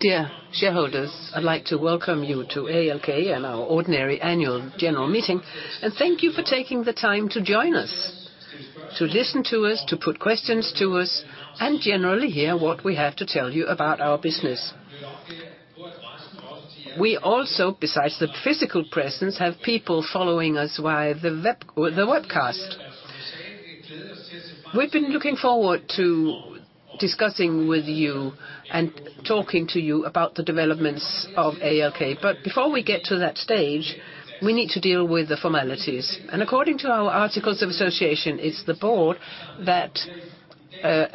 Dear shareholders, I'd like to welcome you to ALK, and our ordinary annual general meeting, and thank you for taking the time to join us, to listen to us, to put questions to us, and generally hear what we have to tell you about our business. We also, besides the physical presence, have people following us via the webcast. We've been looking forward to discussing with you and talking to you about the developments of ALK. But before we get to that stage, we need to deal with the formalities, and according to our Articles of Association, it's the board that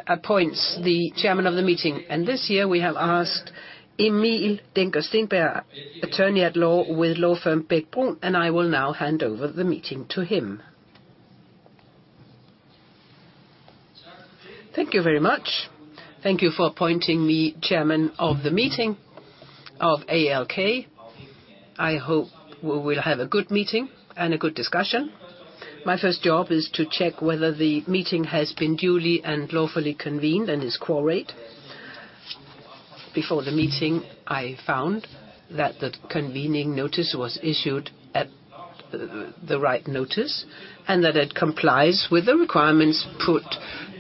appoints the chairman of the meeting. This year, we have asked Emil Denker-Steenberg, Attorney at Law with law firm Bech-Bruun, and I will now hand over the meeting to him. Thank you very much. Thank you for appointing me chairman of the meeting of ALK. I hope we will have a good meeting and a good discussion. My first job is to check whether the meeting has been duly and lawfully convened and is quorate. Before the meeting, I found that the convening notice was issued at the, the right notice, and that it complies with the requirements put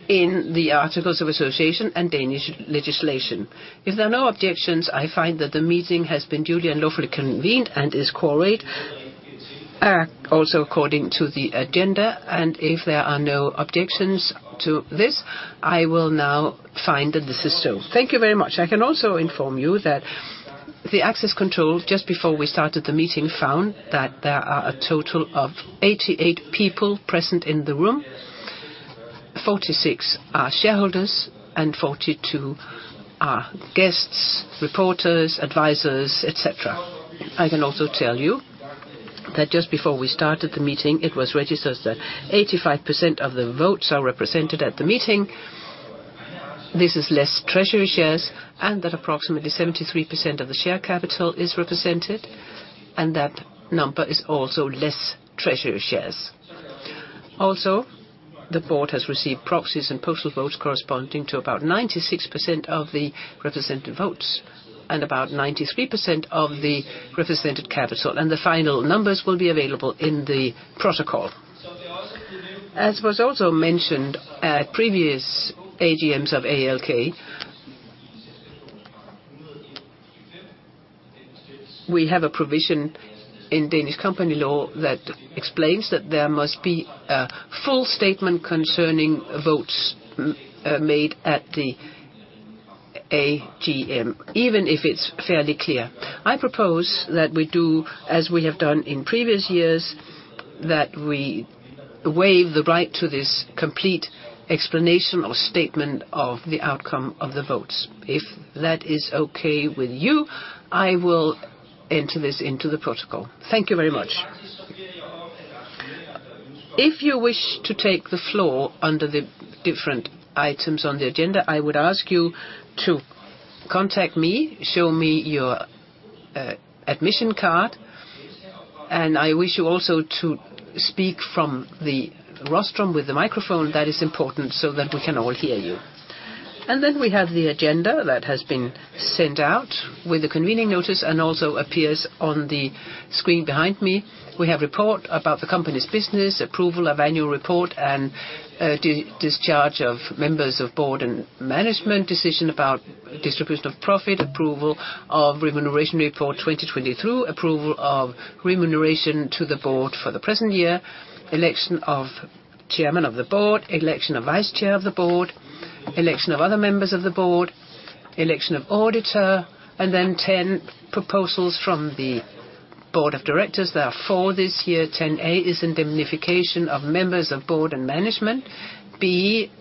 in the Articles of Association and Danish legislation. If there are no objections, I find that the meeting has been duly and lawfully convened and is quorate, also according to the agenda, and if there are no objections to this, I will now find that this is so. Thank you very much. I can also inform you that the access control, just before we started the meeting, found that there are a total of 88 people present in the room. 46 are shareholders, and 42 are guests, reporters, advisors, et cetera. I can also tell you that just before we started the meeting, it was registered that 85% of the votes are represented at the meeting. This is less treasury shares, and that approximately 73% of the share capital is represented, and that number is also less treasury shares. Also, the board has received proxies and postal votes corresponding to about 96% of the represented votes, and about 93% of the represented capital, and the final numbers will be available in the protocol. As was also mentioned at previous AGMs of ALK, we have a provision in Danish company law that explains that there must be a full statement concerning votes, made at the AGM, even if it's fairly clear. I propose that we do, as we have done in previous years, that we waive the right to this complete explanation or statement of the outcome of the votes. If that is okay with you, I will enter this into the protocol. Thank you very much. If you wish to take the floor under the different items on the agenda, I would ask you to contact me, show me your admission card, and I wish you also to speak from the rostrum with the microphone. That is important so that we can all hear you. Then we have the agenda that has been sent out with a convening notice and also appears on the screen behind me. We have report about the company's business, approval of annual report, and discharge of members of board and management, decision about distribution of profit, approval of remuneration report 2022, approval of remuneration to the board for the present year, election of chairman of the board, election of vice chair of the board, election of other members of the board, election of auditor, and then 10 proposals from the board of directors. There are 4 this year. 10A is indemnification of members of board and management. B,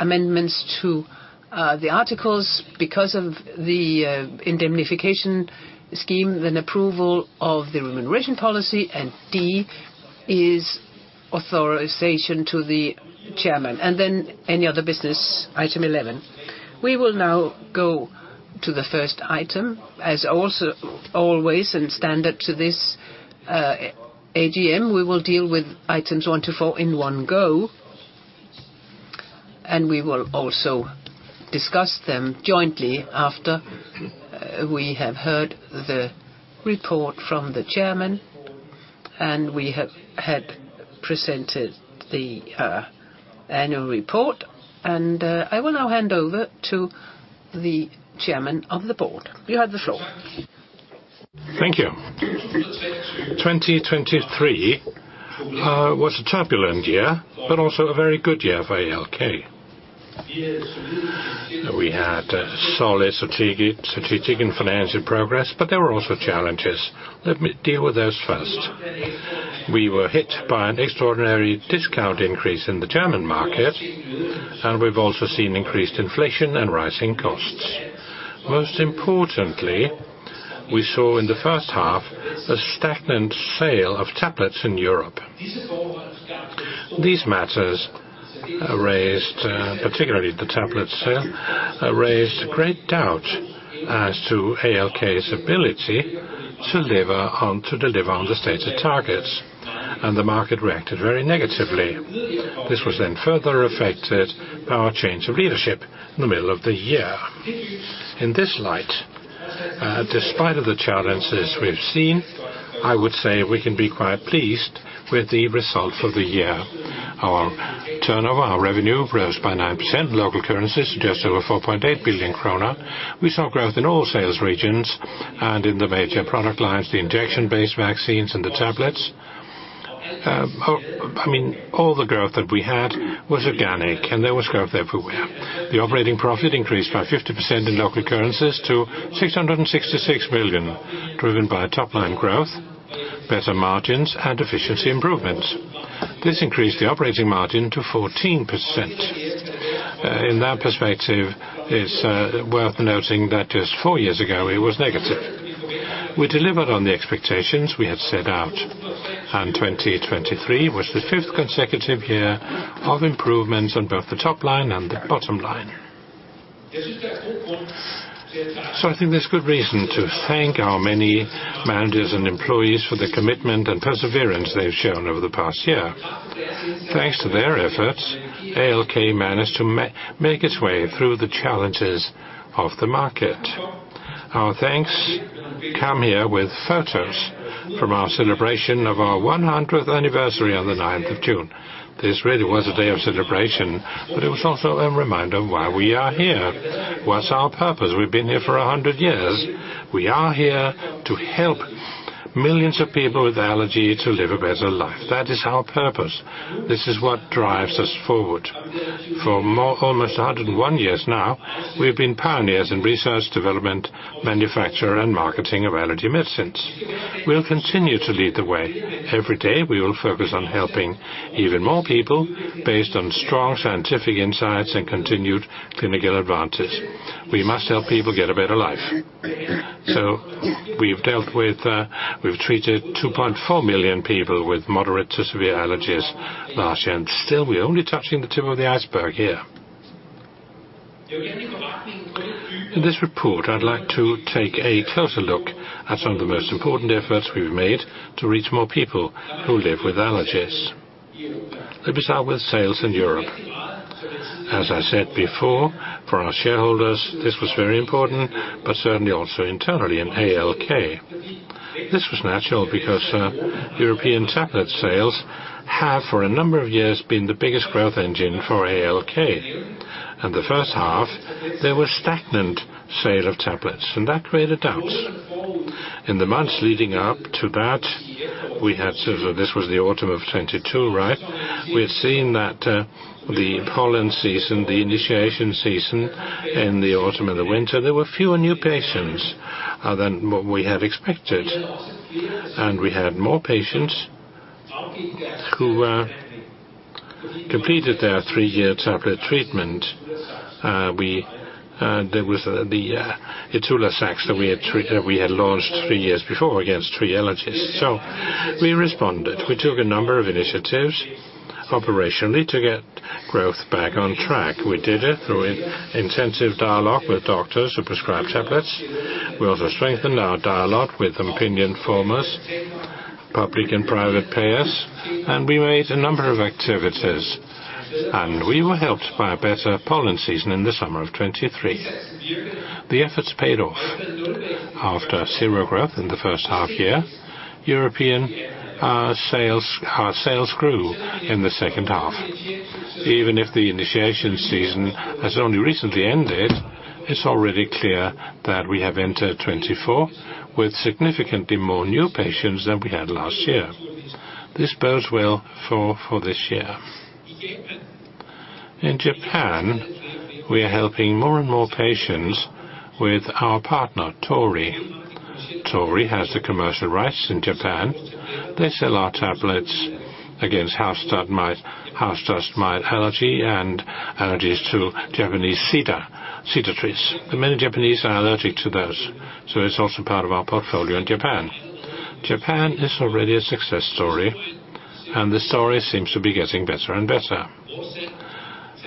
amendments to the articles because of the indemnification scheme, then approval of the remuneration policy, and D is authorization to the chairman, and then any other business, item 11. We will now go to the first item. As also always and standard to this AGM, we will deal with items one to four in one go, and we will also discuss them jointly after we have heard the report from the chairman, and we have had presented the annual report. I will now hand over to the chairman of the board. You have the floor. Thank you. 2023 was a turbulent year, but also a very good year for ALK. We had a solid strategic, strategic and financial progress, but there were also challenges. Let me deal with those first. We were hit by an extraordinary discount increase in the German market, and we've also seen increased inflation and rising costs. Most importantly, we saw in the first half, a stagnant sale of tablets in Europe. These matters raised, particularly the tablet sale, raised great doubt as to ALK's ability to deliver on, to deliver on the stated targets, and the market reacted very negatively.... This was then further affected by our change of leadership in the middle of the year. In this light, despite of the challenges we've seen, I would say we can be quite pleased with the results of the year. Our turnover, our revenue, rose by 9%. Local currency is just over 4.8 billion kroner. We saw growth in all sales regions and in the major product lines, the injection-based vaccines and the tablets. I mean, all the growth that we had was organic, and there was growth everywhere. The operating profit increased by 50% in local currencies to 666 million, driven by a top line growth, better margins, and efficiency improvements. This increased the operating margin to 14%. In that perspective, it's worth noting that just 4 years ago, it was negative. We delivered on the expectations we had set out, and 2023 was the fifth consecutive year of improvements on both the top line and the bottom line. So I think there's good reason to thank our many managers and employees for the commitment and perseverance they've shown over the past year. Thanks to their efforts, ALK managed to make its way through the challenges of the market. Our thanks come here with photos from our celebration of our 100th anniversary on the ninth of June. This really was a day of celebration, but it was also a reminder of why we are here. What's our purpose? We've been here for a hundred years. We are here to help millions of people with allergy to live a better life. That is our purpose. This is what drives us forward. For more almost 101 years now, we've been pioneers in research, development, manufacture, and marketing of allergy medicines. We'll continue to lead the way. Every day, we will focus on helping even more people based on strong scientific insights and continued clinical advantage. We must help people get a better life. So we've dealt with, we've treated 2.4 million people with moderate to severe allergies last year, and still, we're only touching the tip of the iceberg here. In this report, I'd like to take a closer look at some of the most important efforts we've made to reach more people who live with allergies. Let me start with sales in Europe. As I said before, for our shareholders, this was very important, but certainly also internally in ALK. This was natural because, European tablet sales have, for a number of years, been the biggest growth engine for ALK. In the first half, there were stagnant sales of tablets, and that created doubts. In the months leading up to that, we had sort of... This was the autumn of 2022, right? We had seen that, the pollen season, the initiation season, in the autumn and the winter, there were fewer new patients, than what we had expected, and we had more patients who, completed their three-year tablet treatment. There was the, ITULAZAX that we had launched three years before against three allergies. So we responded. We took a number of initiatives operationally to get growth back on track. We did it through intensive dialogue with doctors who prescribed tablets. We also strengthened our dialogue with opinion formers, public and private payers, and we made a number of activities, and we were helped by a better pollen season in the summer of 2023. The efforts paid off. After zero growth in the first half year, European sales grew in the second half. Even if the initiation season has only recently ended, it's already clear that we have entered 2024 with significantly more new patients than we had last year. This bodes well for this year. In Japan, we are helping more and more patients with our partner, Torii. Torii has the commercial rights in Japan. They sell our tablets against house dust mite, house dust mite allergy, and allergies to Japanese cedar, cedar trees. But many Japanese are allergic to those, so it's also part of our portfolio in Japan. Japan is already a success story, and the story seems to be getting better and better.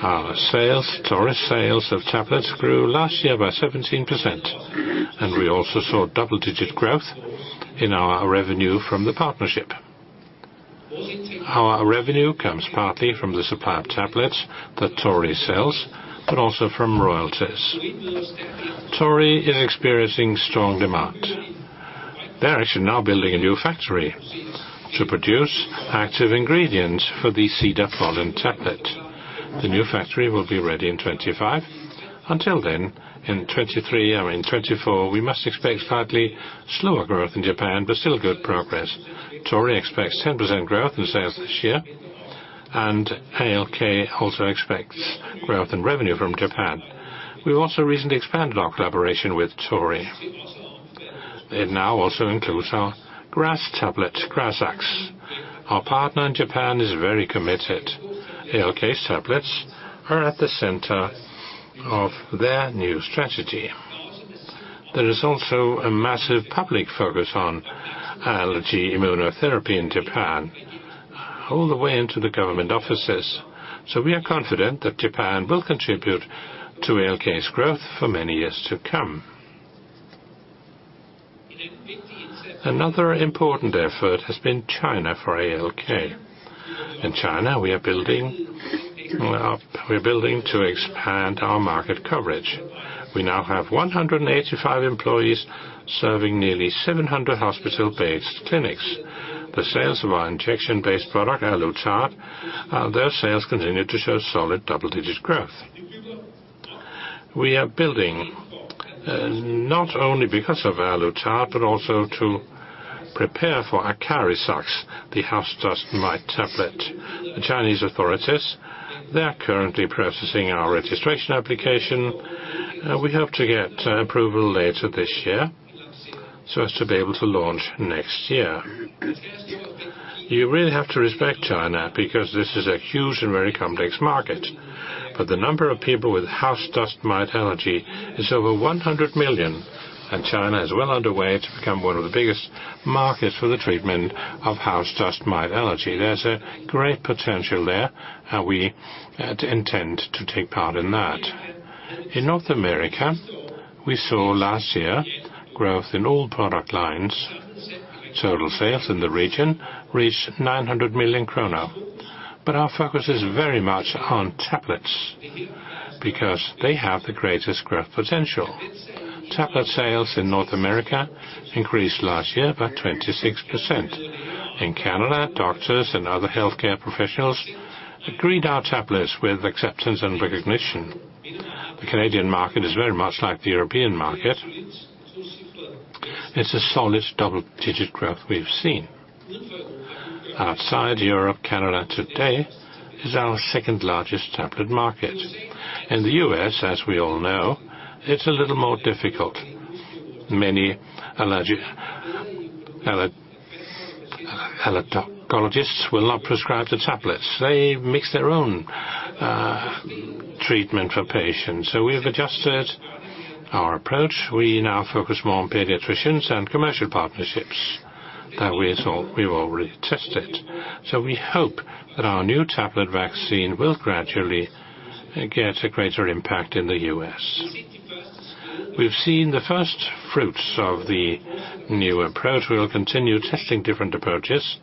Our sales, Torii sales of tablets, grew last year by 17%, and we also saw double-digit growth in our revenue from the partnership. Our revenue comes partly from the supply of tablets that Torii sells, but also from royalties. Torii is experiencing strong demand. They're actually now building a new factory to produce active ingredients for the cedar pollen tablet. The new factory will be ready in 2025. Until then, in 2023, I mean 2024, we must expect slightly slower growth in Japan, but still good progress. Torii expects 10% growth in sales this year, and ALK also expects growth in revenue from Japan. We've also recently expanded our collaboration with Torii, it now also includes our grass tablet, GRAZAX. Our partner in Japan is very committed. ALK's tablets are at the center of their new strategy. There is also a massive public focus on allergy immunotherapy in Japan, all the way into the government offices, so we are confident that Japan will contribute to ALK's growth for many years to come. Another important effort has been China for ALK. In China, we are building up, we're building to expand our market coverage. We now have 185 employees serving nearly 700 hospital-based clinics. The sales of our injection-based product, Alutard, their sales continue to show solid double-digit growth. We are building, not only because of Alutard, but also to prepare for ACARIZAX, the house dust mite tablet. The Chinese authorities, they are currently processing our registration application, and we hope to get approval later this year, so as to be able to launch next year. You really have to respect China, because this is a huge and very complex market. But the number of people with house dust mite allergy is over 100 million, and China is well underway to become one of the biggest markets for the treatment of house dust mite allergy. There's a great potential there, and we intend to take part in that. In North America, we saw last year growth in all product lines. Total sales in the region reached 900 million krone. But our focus is very much on tablets, because they have the greatest growth potential. Tablet sales in North America increased last year by 26%. In Canada, doctors and other healthcare professionals agreed our tablets with acceptance and recognition. The Canadian market is very much like the European market. It's a solid double-digit growth we've seen. Outside Europe, Canada today is our second-largest tablet market. In the U.S., as we all know, it's a little more difficult. Many allergologists will not prescribe the tablets. They mix their own treatment for patients. So we have adjusted our approach. We now focus more on pediatricians and commercial partnerships that we've already tested. So we hope that our new tablet vaccine will gradually get a greater impact in the U.S. We've seen the first fruits of the new approach. We will continue testing different approaches,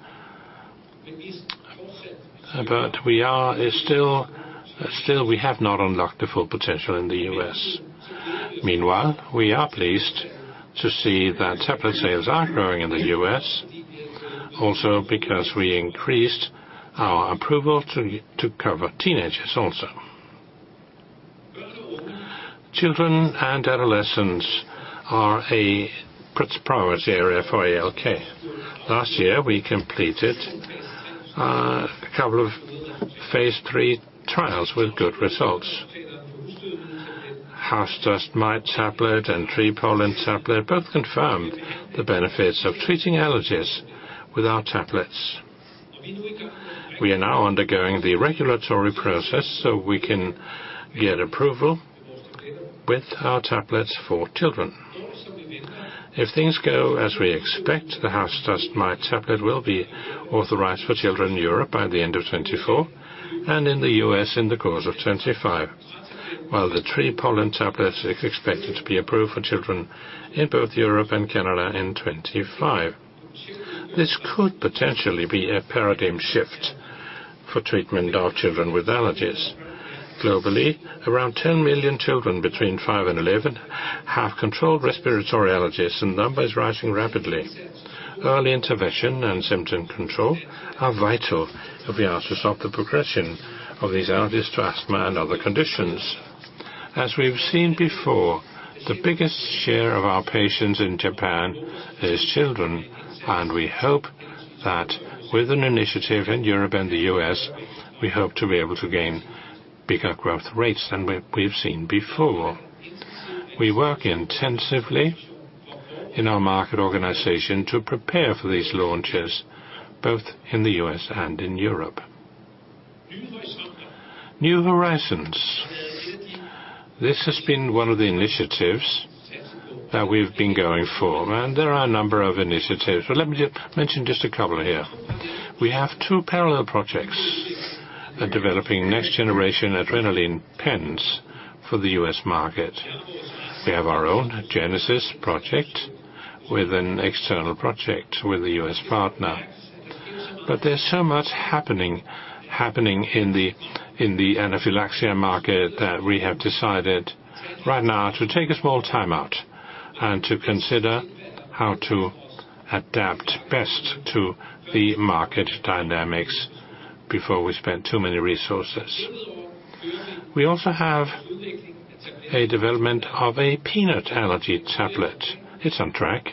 but we are still, we have not unlocked the full potential in the U.S. Meanwhile, we are pleased to see that tablet sales are growing in the U.S., also because we increased our approval to cover teenagers also. Children and adolescents are a priority area for ALK. Last year, we completed a couple of phase 3 trials with good results. House dust mite tablet and tree pollen tablet both confirmed the benefits of treating allergies with our tablets. We are now undergoing the regulatory process so we can get approval with our tablets for children. If things go as we expect, the house dust mite tablet will be authorized for children in Europe by the end of 2024, and in the U.S. in the course of 2025, while the tree pollen tablet is expected to be approved for children in both Europe and Canada in 2025. This could potentially be a paradigm shift for treatment of children with allergies. Globally, around 10 million children between 5 and 11 have controlled respiratory allergies, and the number is rising rapidly. Early intervention and symptom control are vital if we are to stop the progression of these allergies to asthma and other conditions. As we've seen before, the biggest share of our patients in Japan is children, and we hope that with an initiative in Europe and the U.S., we hope to be able to gain bigger growth rates than we've seen before. We work intensively in our market organization to prepare for these launches, both in the U.S. and in Europe. New horizons. This has been one of the initiatives that we've been going for, and there are a number of initiatives, but let me just mention just a couple here. We have two parallel projects: the developing next generation adrenaline pens for the U.S. market. We have our own Genesis project with an external project with a U.S. partner. But there's so much happening in the anaphylaxis market that we have decided right now to take a small timeout and to consider how to adapt best to the market dynamics before we spend too many resources. We also have a development of a peanut allergy tablet. It's on track.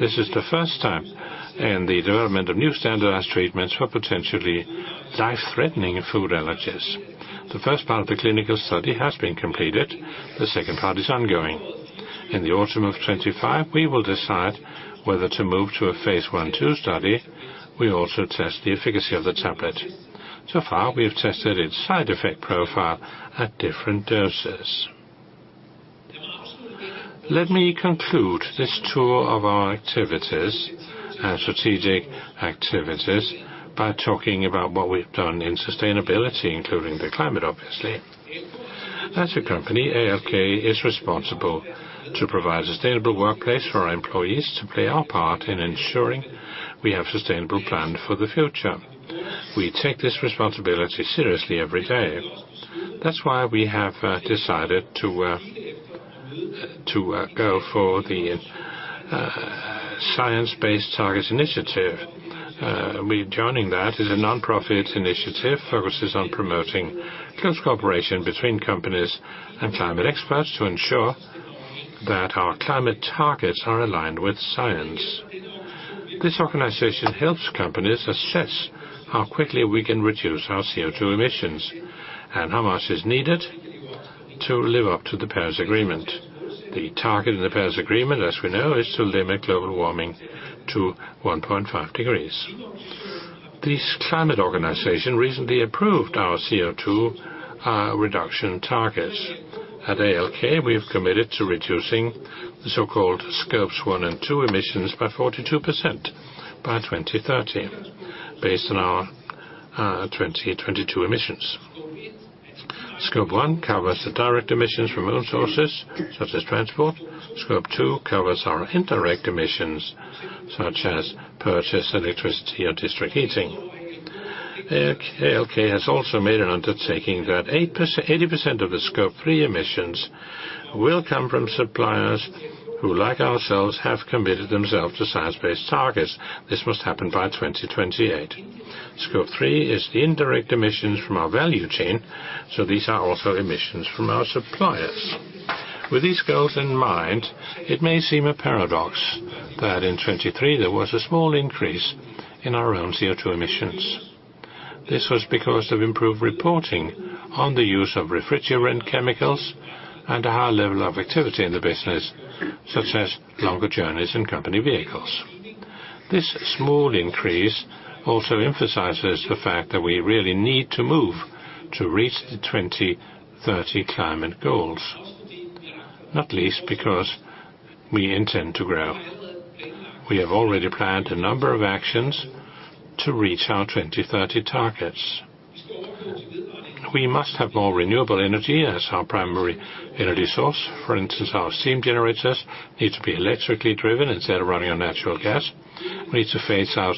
This is the first time in the development of new standardized treatments for potentially life-threatening food allergies. The first part of the clinical study has been completed. The second part is ongoing. In the autumn of 2025, we will decide whether to move to a phase 1/2 study. We also test the efficacy of the tablet. So far, we have tested its side effect profile at different doses. Let me conclude this tour of our activities and strategic activities by talking about what we've done in sustainability, including the climate, obviously. As a company, ALK is responsible to provide a sustainable workplace for our employees to play our part in ensuring we have sustainable plan for the future. We take this responsibility seriously every day. That's why we have decided to go for the Science Based Targets initiative. We're joining that. It's a nonprofit initiative, focuses on promoting close cooperation between companies and climate experts to ensure that our climate targets are aligned with science. This organization helps companies assess how quickly we can reduce our CO2 emissions, and how much is needed to live up to the Paris Agreement. The target in the Paris Agreement, as we know, is to limit global warming to 1.5 degrees. This climate organization recently approved our CO2 reduction targets. At ALK, we have committed to reducing the so-called Scope 1 and 2 emissions by 42% by 2030, based on our 2022 emissions. Scope 1 covers the direct emissions from our own sources, such as transport. Scope 2 covers our indirect emissions, such as purchased electricity or district heating. ALK, ALK has also made an undertaking that 80% of the Scope 3 emissions will come from suppliers, who, like ourselves, have committed themselves to science-based targets. This must happen by 2028. Scope 3 is the indirect emissions from our value chain, so these are also emissions from our suppliers. With these goals in mind, it may seem a paradox that in 2023, there was a small increase in our own CO2 emissions. This was because of improved reporting on the use of refrigerant chemicals and a high level of activity in the business, such as longer journeys in company vehicles. This small increase also emphasizes the fact that we really need to move to reach the 2030 climate goals, not least because we intend to grow. We have already planned a number of actions to reach our 2030 targets. We must have more renewable energy as our primary energy source. For instance, our steam generators need to be electrically driven instead of running on natural gas. We need to phase out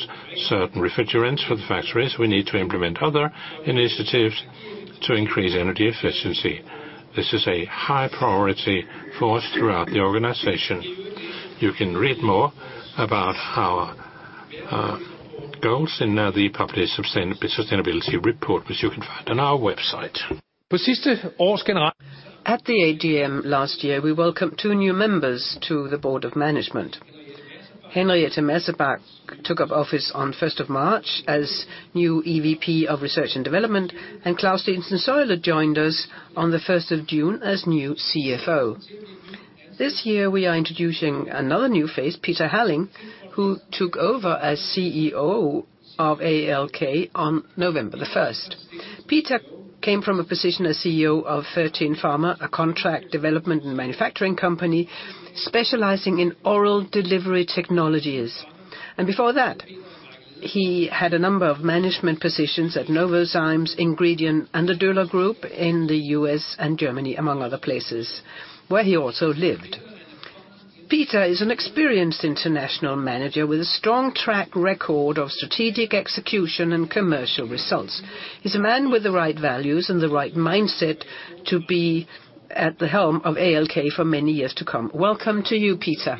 certain refrigerants for the factories. We need to implement other initiatives to increase energy efficiency. This is a high priority for us throughout the organization. You can read more about our goals in the published sustainability report, which you can find on our website. At the AGM last year, we welcomed two new members to the Board of Management. Henriette Mersebach took up office on first of March as new EVP of Research and Development, and Claus Steensen Sølje joined us on the first of June as new CFO. This year, we are introducing another new face, Peter Halling, who took over as CEO of ALK on November the first. Peter came from a position as CEO of Fertin Pharma, a contract development and manufacturing company specializing in oral delivery technologies. And before that, he had a number of management positions at Novozymes, Ingredion, and the Döhler Group in the U.S. and Germany, among other places, where he also lived. Peter is an experienced international manager with a strong track record of strategic execution and commercial results. He's a man with the right values and the right mindset to be at the helm of ALK for many years to come. Welcome to you, Peter.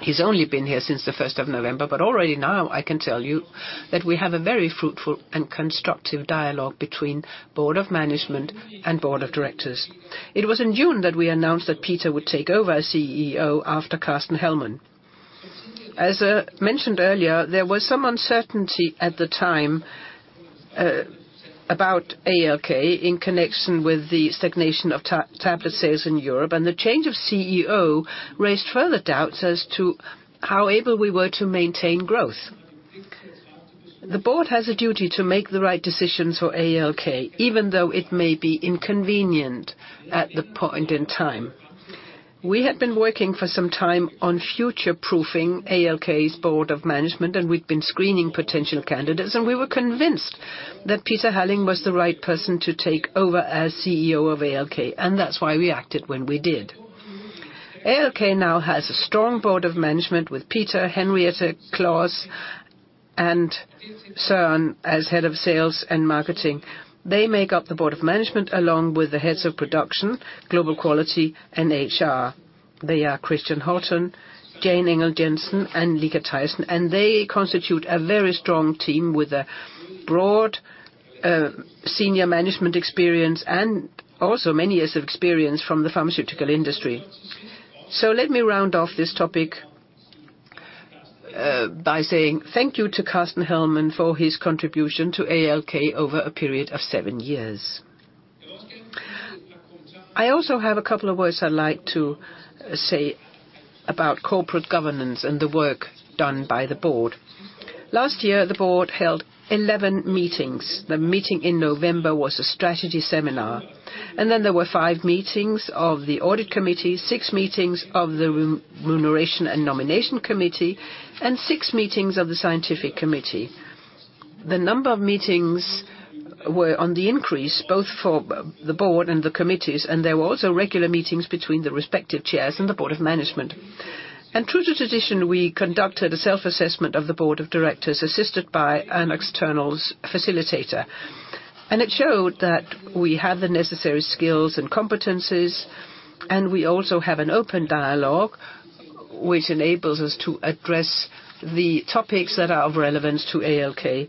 He's only been here since the first of November, but already now I can tell you that we have a very fruitful and constructive dialogue between Board of Management and Board of Directors. It was in June that we announced that Peter would take over as CEO after Carsten Hellmann. As mentioned earlier, there was some uncertainty at the time about ALK in connection with the stagnation of tablet sales in Europe, and the change of CEO raised further doubts as to how able we were to maintain growth. The board has a duty to make the right decisions for ALK, even though it may be inconvenient at the point in time. We had been working for some time on future-proofing ALK's Board of Management, and we'd been screening potential candidates, and we were convinced that Peter Halling was the right person to take over as CEO of ALK, and that's why we acted when we did. ALK now has a strong Board of Management with Peter, Henriette, Claus, and Søren as head of sales and marketing. They make up the Board of Management, along with the heads of production, global quality, and HR. They are Christian Houghton, Jan Engel, and Lika Thiesen, and they constitute a very strong team with a broad senior management experience and also many years of experience from the pharmaceutical industry. So let me round off this topic by saying thank you to Carsten Hellmann for his contribution to ALK over a period of seven years. I also have a couple of words I'd like to say about corporate governance and the work done by the Board. Last year, the Board held 11 meetings. The meeting in November was a strategy seminar, and then there were 5 meetings of the Audit Committee, 6 meetings of the Remuneration and Nomination Committee, and 6 meetings of the Scientific Committee. The number of meetings were on the increase, both for the Board and the committees, and there were also regular meetings between the respective chairs and the Board of Management. True to tradition, we conducted a self-assessment of the Board of Directors, assisted by an external facilitator. It showed that we have the necessary skills and competencies, and we also have an open dialogue, which enables us to address the topics that are of relevance to ALK.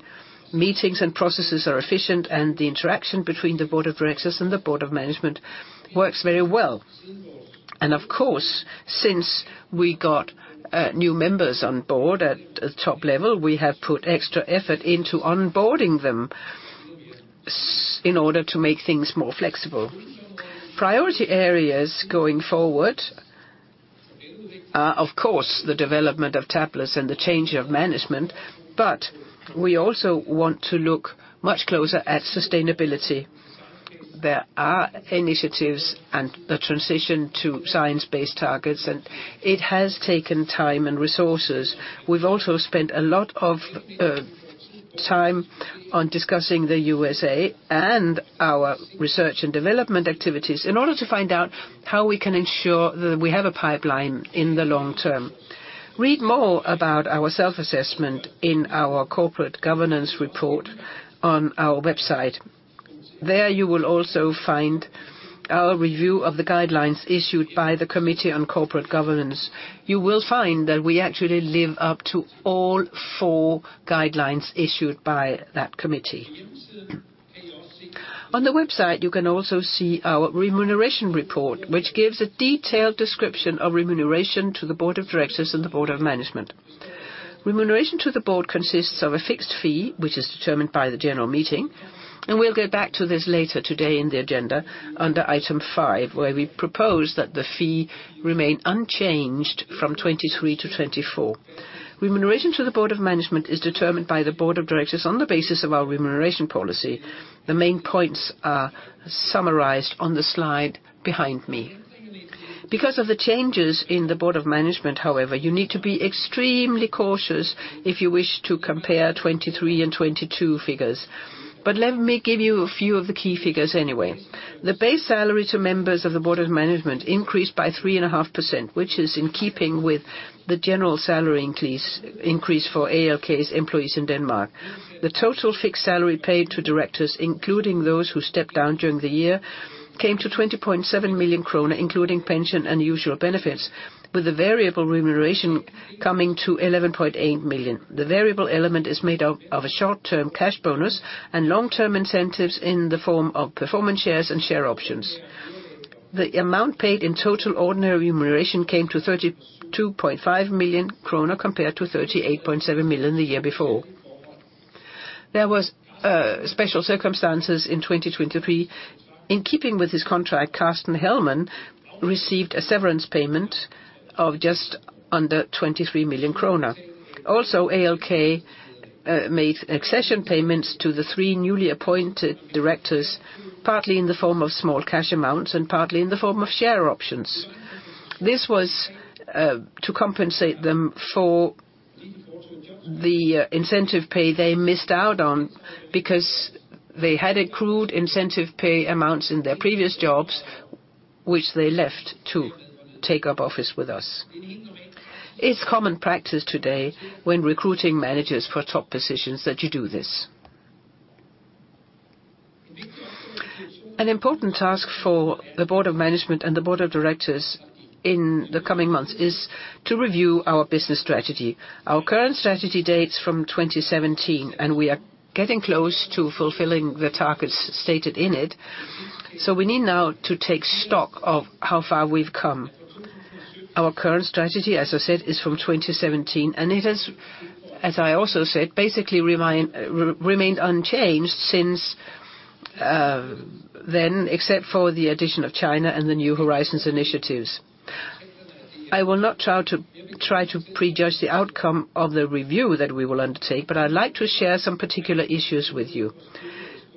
Meetings and processes are efficient, and the interaction between the Board of Directors and the Board of Management works very well. And of course, since we got new members on board at the top level, we have put extra effort into onboarding them in order to make things more flexible. Priority areas going forward are, of course, the development of tablets and the change of management, but we also want to look much closer at sustainability. There are initiatives and a transition to Science-Based Targets, and it has taken time and resources. We've also spent a lot of time on discussing the USA and our research and development activities in order to find out how we can ensure that we have a pipeline in the long term. Read more about our self-assessment in our Corporate Governance report on our website. There, you will also find our review of the guidelines issued by the Committee on Corporate Governance. You will find that we actually live up to all four guidelines issued by that committee. On the website, you can also see our remuneration report, which gives a detailed description of remuneration to the board of directors and the board of management. Remuneration to the board consists of a fixed fee, which is determined by the general meeting, and we'll go back to this later today in the agenda under item five, where we propose that the fee remain unchanged from 2023 to 2024. Remuneration to the board of management is determined by the board of directors on the basis of our remuneration policy. The main points are summarized on the slide behind me. Because of the changes in the Board of Management, however, you need to be extremely cautious if you wish to compare 2023 and 2022 figures. But let me give you a few of the key figures anyway. The base salary to members of the Board of Management increased by 3.5%, which is in keeping with the general salary increase for ALK's employees in Denmark. The total fixed salary paid to directors, including those who stepped down during the year, came to 20.7 million kroner, including pension and usual benefits, with the variable remuneration coming to 11.8 million. The variable element is made up of a short-term cash bonus and long-term incentives in the form of performance shares and share options. The amount paid in total ordinary remuneration came to 32.5 million kroner, compared to 38.7 million the year before. There was special circumstances in 2023. In keeping with his contract, Carsten Hellmann received a severance payment of just under 23 million kroner. Also, ALK made accession payments to the 3 newly appointed directors, partly in the form of small cash amounts and partly in the form of share options. This was to compensate them for the incentive pay they missed out on because they had accrued incentive pay amounts in their previous jobs, which they left to take up office with us. It's common practice today when recruiting managers for top positions that you do this. An important task for the Board of Management and the Board of Directors in the coming months is to review our business strategy. Our current strategy dates from 2017, and we are getting close to fulfilling the targets stated in it, so we need now to take stock of how far we've come. Our current strategy, as I said, is from 2017, and it has, as I also said, basically remained unchanged since then, except for the addition of China and the New Horizons initiatives. I will not try to prejudge the outcome of the review that we will undertake, but I'd like to share some particular issues with you.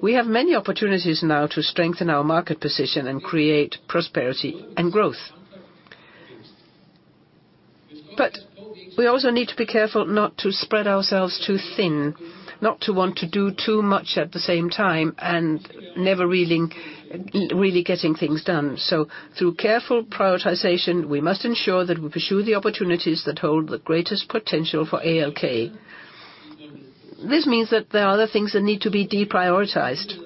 We have many opportunities now to strengthen our market position and create prosperity and growth. But we also need to be careful not to spread ourselves too thin, not to want to do too much at the same time, and never really getting things done. So through careful prioritization, we must ensure that we pursue the opportunities that hold the greatest potential for ALK. This means that there are other things that need to be deprioritized.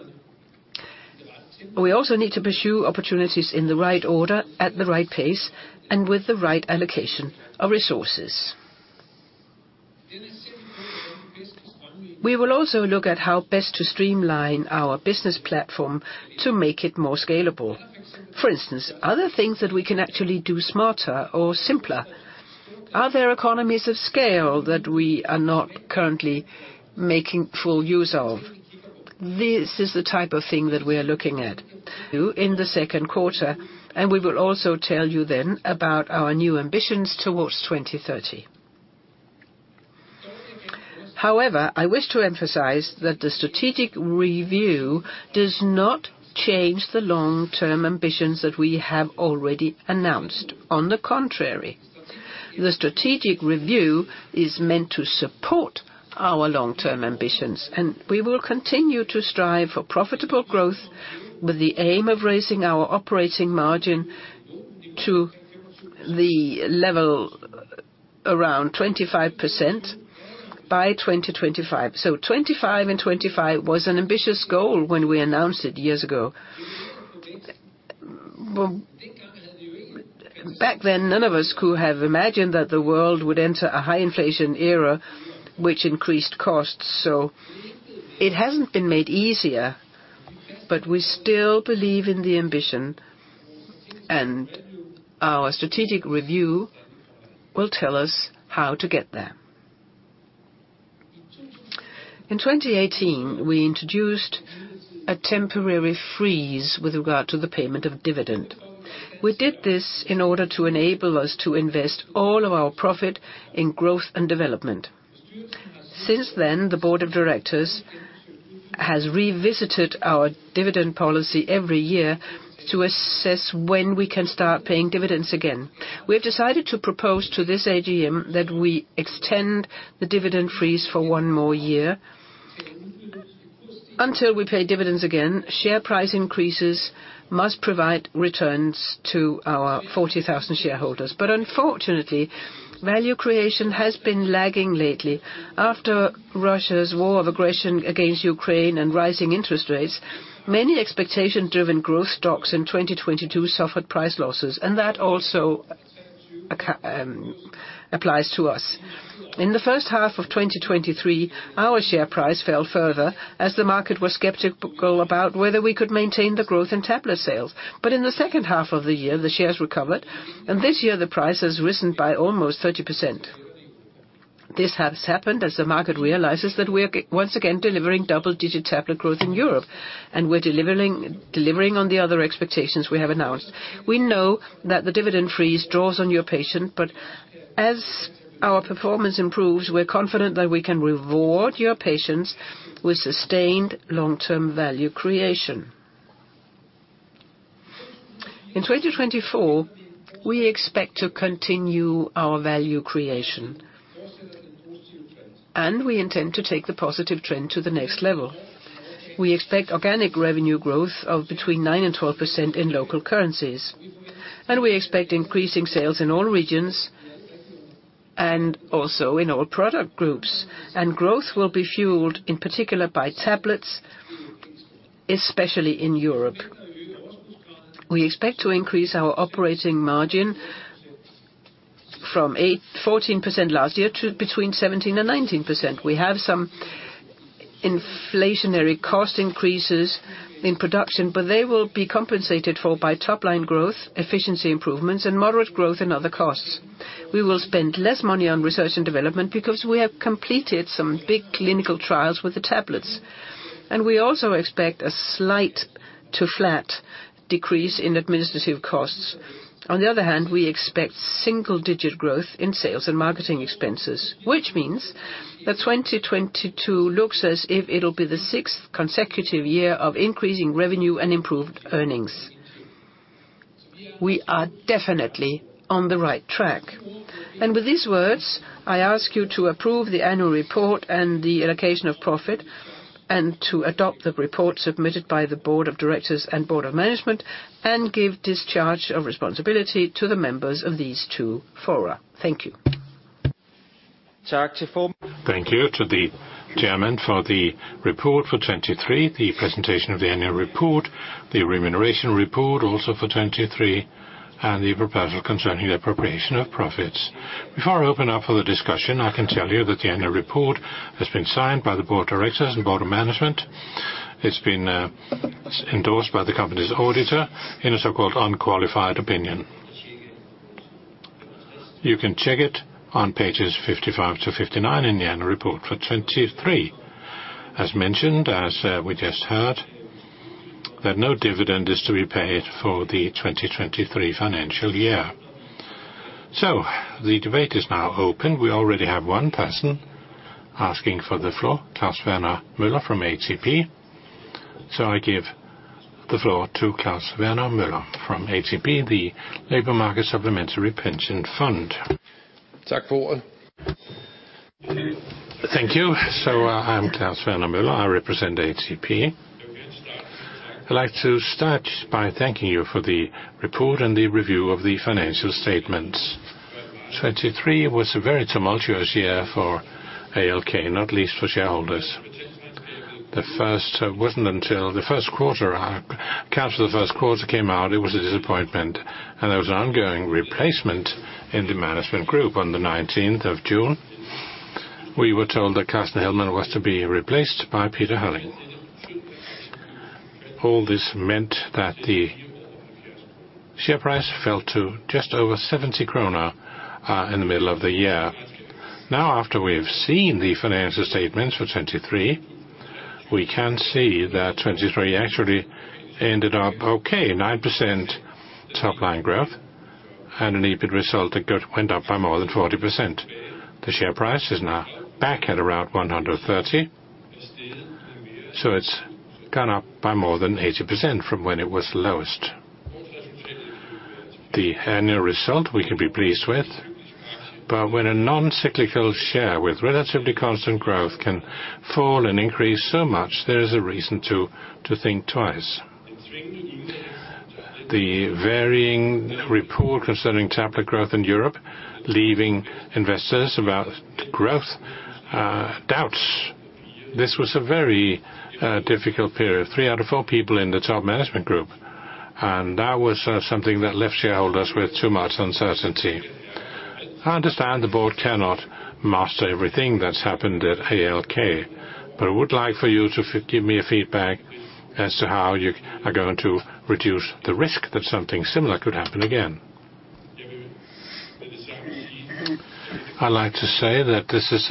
We also need to pursue opportunities in the right order, at the right pace, and with the right allocation of resources. We will also look at how best to streamline our business platform to make it more scalable. For instance, are there things that we can actually do smarter or simpler? Are there economies of scale that we are not currently making full use of? This is the type of thing that we are looking at.... In the second quarter, and we will also tell you then about our new ambitions towards 2030. However, I wish to emphasize that the strategic review does not change the long-term ambitions that we have already announced. On the contrary!... The strategic review is meant to support our long-term ambitions, and we will continue to strive for profitable growth with the aim of raising our operating margin to the level around 25% by 2025. So 25 and 2025 was an ambitious goal when we announced it years ago. Well, back then, none of us could have imagined that the world would enter a high inflation era, which increased costs, so it hasn't been made easier, but we still believe in the ambition, and our strategic review will tell us how to get there. In 2018, we introduced a temporary freeze with regard to the payment of dividend. We did this in order to enable us to invest all of our profit in growth and development. Since then, the Board of Directors has revisited our dividend policy every year to assess when we can start paying dividends again. We have decided to propose to this AGM that we extend the dividend freeze for one more year. Until we pay dividends again, share price increases must provide returns to our 40,000 shareholders. But unfortunately, value creation has been lagging lately. After Russia's war of aggression against Ukraine and rising interest rates, many expectation-driven growth stocks in 2022 suffered price losses, and that also applies to us. In the first half of 2023, our share price fell further as the market was skeptical about whether we could maintain the growth in tablet sales. But in the second half of the year, the shares recovered, and this year the price has risen by almost 30%. This has happened as the market realizes that we are once again delivering double-digit tablet growth in Europe, and we're delivering, delivering on the other expectations we have announced. We know that the dividend freeze draws on your patience, but as our performance improves, we're confident that we can reward your patience with sustained long-term value creation. In 2024, we expect to continue our value creation, and we intend to take the positive trend to the next level. We expect organic revenue growth of between 9% and 12% in local currencies, and we expect increasing sales in all regions and also in all product groups. Growth will be fueled, in particular, by tablets, especially in Europe. We expect to increase our operating margin from 8%-14% last year to between 17% and 19%. We have some inflationary cost increases in production, but they will be compensated for by top line growth, efficiency improvements, and moderate growth in other costs. We will spend less money on research and development because we have completed some big clinical trials with the tablets, and we also expect a slight to flat decrease in administrative costs. On the other hand, we expect single-digit growth in sales and marketing expenses, which means that 2022 looks as if it'll be the sixth consecutive year of increasing revenue and improved earnings. We are definitely on the right track. And with these words, I ask you to approve the annual report and the allocation of profit, and to adopt the report submitted by the Board of Directors and Board of Management, and give discharge of responsibility to the members of these two fora. Thank you. Thank you to the chairman for the report for 2023, the presentation of the annual report, the remuneration report also for 2023, and the proposal concerning the appropriation of profits. Before I open up for the discussion, I can tell you that the annual report has been signed by the Board of Directors and Board of Management. It's been endorsed by the company's auditor in a so-called unqualified opinion. You can check it on pages 55-59 in the annual report for 2023. As mentioned, we just heard that no dividend is to be paid for the 2023 financial year. So the debate is now open. We already have one person asking for the floor, Claus Berner Moller from ATP. So I give the floor to Claus Berner Moller from ATP, the Labor Market Supplementary Pension Fund. Thank you. So, I'm Claus Berner Møller. I represent ATP. I'd like to start by thanking you for the report and the review of the financial statements. 2023 was a very tumultuous year for ALK, not least for shareholders. The first wasn't until the first quarter came out, it was a disappointment, and there was an ongoing replacement in the management group. On the nineteenth of June, we were told that Carsten Hellmann was to be replaced by Peter Halling. All this meant that the share price fell to just over 70 krone in the middle of the year. Now, after we've seen the financial statements for 2023, we can see that 2023 actually ended up okay, 9% top line growth and an EBIT result that went up by more than 40%. The share price is now back at around 130.... So it's gone up by more than 80% from when it was lowest. The annual result we can be pleased with, but when a non-cyclical share with relatively constant growth can fall and increase so much, there is a reason to think twice. The varying report concerning tablet growth in Europe, leaving investors about growth doubts. This was a very difficult period, 3 out of 4 people in the top management group, and that was something that left shareholders with too much uncertainty. I understand the board cannot master everything that's happened at ALK, but I would like for you to give me a feedback as to how you are going to reduce the risk that something similar could happen again. I'd like to say that this is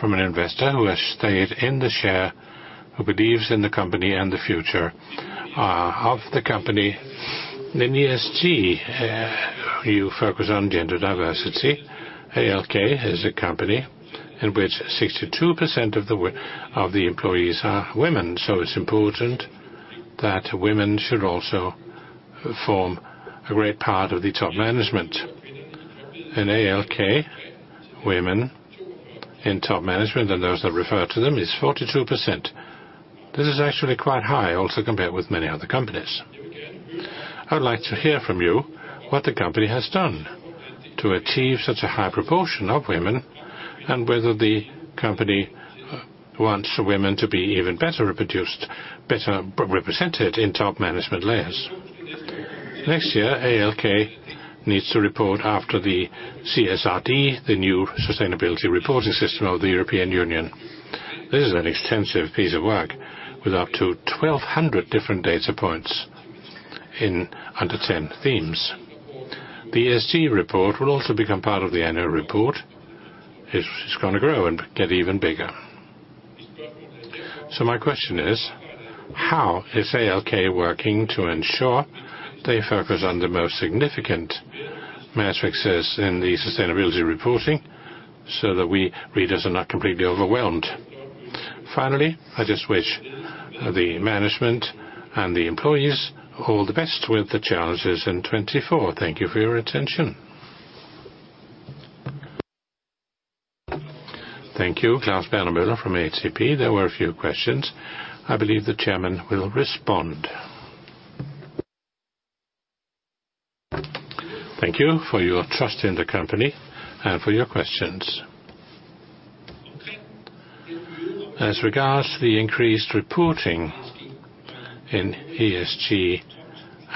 from an investor who has stayed in the share, who believes in the company and the future of the company. In ESG, you focus on gender diversity. ALK is a company in which 62% of the employees are women, so it's important that women should also form a great part of the top management. In ALK, women in top management, and those that refer to them, is 42%. This is actually quite high, also compared with many other companies. I'd like to hear from you what the company has done to achieve such a high proportion of women, and whether the company wants the women to be even better represented, better represented in top management layers. Next year, ALK needs to report after the CSRD, the new sustainability reporting system of the European Union. This is an extensive piece of work with up to 1,200 different data points in under 10 themes. The ESG report will also become part of the annual report. It's, it's gonna grow and get even bigger. So my question is: How is ALK working to ensure they focus on the most significant metrics as in the sustainability reporting, so that we readers are not completely overwhelmed? Finally, I just wish the management and the employees all the best with the challenges in 2024. Thank you for your attention. Thank you, Claus Berner Møller from ATP. There were a few questions. I believe the chairman will respond. Thank you for your trust in the company and for your questions. As regards to the increased reporting in ESG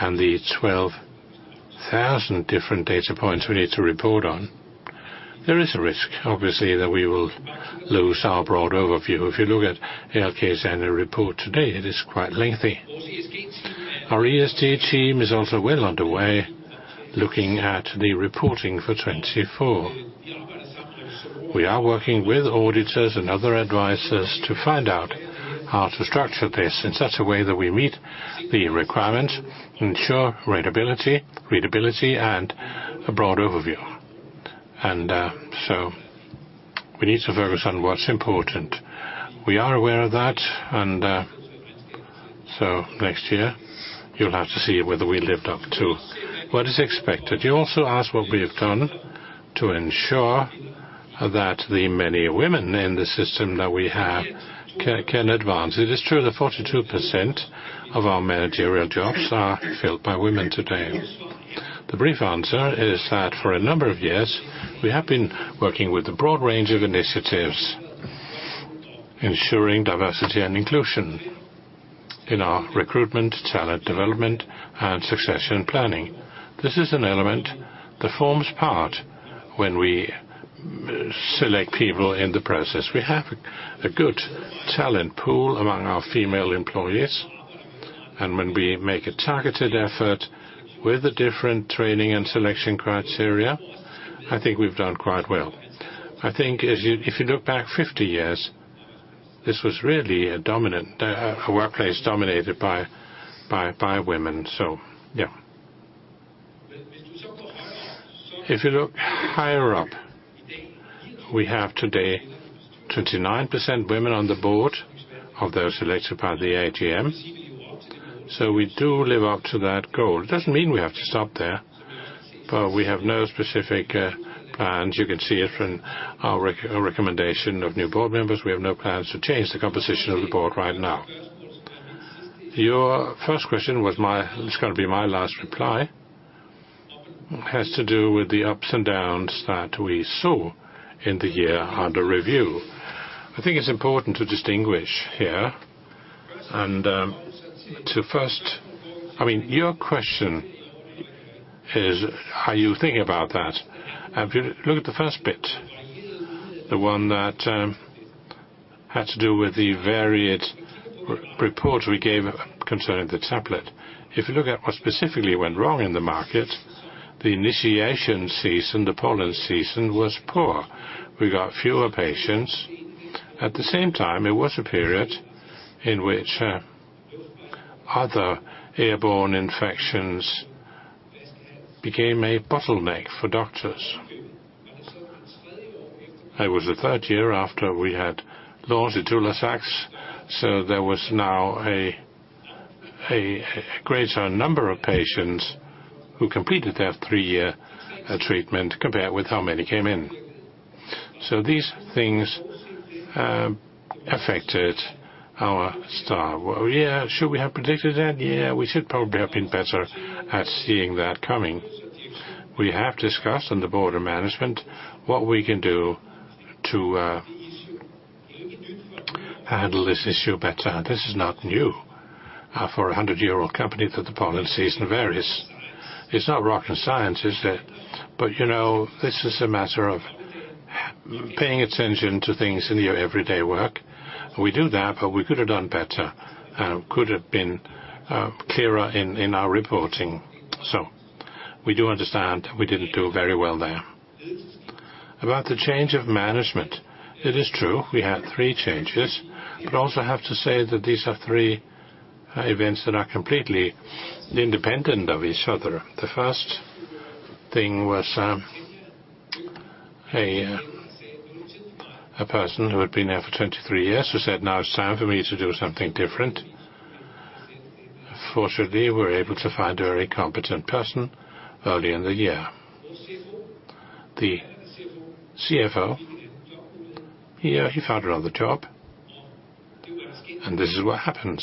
and the 12,000 different data points we need to report on, there is a risk, obviously, that we will lose our broad overview. If you look at ALK's annual report today, it is quite lengthy. Our ESG team is also well underway, looking at the reporting for 2024. We are working with auditors and other advisors to find out how to structure this in such a way that we meet the requirements, ensure readability, and a broad overview. And, so we need to focus on what's important. We are aware of that, and, so next year, you'll have to see whether we lived up to what is expected. You also asked what we have done to ensure that the many women in the system that we have can advance. It is true that 42% of our managerial jobs are filled by women today. The brief answer is that for a number of years, we have been working with a broad range of initiatives, ensuring diversity and inclusion in our recruitment, talent development, and succession planning. This is an element that forms part when we select people in the process. We have a good talent pool among our female employees, and when we make a targeted effort with the different training and selection criteria, I think we've done quite well. I think as you if you look back 50 years, this was really a dominant workplace dominated by women. So, yeah. If you look higher up, we have today 29% women on the board of those elected by the AGM, so we do live up to that goal. It doesn't mean we have to stop there, but we have no specific plans. You can see it from our recommendation of new board members. We have no plans to change the composition of the board right now. Your first question was my... It's gonna be my last reply, has to do with the ups and downs that we saw in the year under review. I think it's important to distinguish here and, I mean, your question is, how you think about that? And if you look at the first bit, the one that had to do with the varied report we gave concerning the tablet. If you look at what specifically went wrong in the market, the initiation season, the pollen season, was poor. We got fewer patients. At the same time, it was a period in which other airborne infections became a bottleneck for doctors. It was the third year after we had launched ITULAZAX, so there was now a greater number of patients who completed their three-year treatment compared with how many came in. So these things affected our start. Well, yeah, should we have predicted that? Yeah, we should probably have been better at seeing that coming. We have discussed on the Board of Management what we can do to handle this issue better. This is not new for a 100-year-old company, that the policy is various. It's not rocket science, is it? But, you know, this is a matter of paying attention to things in your everyday work. We do that, but we could have done better, could have been clearer in our reporting. So we do understand we didn't do very well there. About the change of management, it is true, we had three changes, but also have to say that these are three events that are completely independent of each other. The first thing was a person who had been there for 23 years, who said, "Now it's time for me to do something different." Fortunately, we were able to find a very competent person early in the year. The CFO, yeah, he found another job, and this is what happens.